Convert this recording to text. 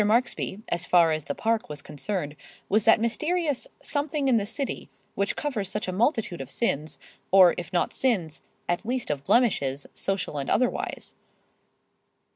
Marksby, as far as the Park was concerned, was that mysterious "something in the city" which covers such a multitude of sins, or if not sins, at least of blemishes, social and otherwise.